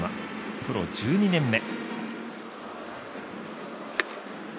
プロ１２年目。